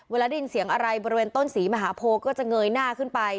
เวลาได้ยินเสียงอะไรบริเวณต้นศรีมหาโพก็จะเงยหน้าขึ้นไป